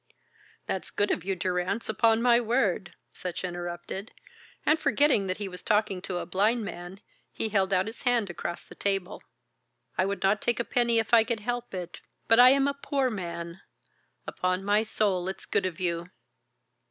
"That's good of you, Durrance, upon my word," Sutch interrupted; and forgetting that he was talking to a blind man he held out his hand across the table. "I would not take a penny if I could help it; but I am a poor man. Upon my soul it's good of you."